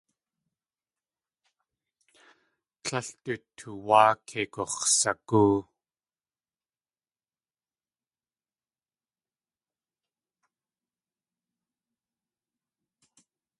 Tlél du tuwáa kei gux̲sagóo.